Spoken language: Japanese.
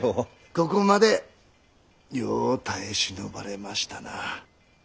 ここまでよう耐え忍ばれましたな。